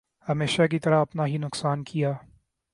ہمیشہ کی طرح اپنا ہی نقصان کیا ۔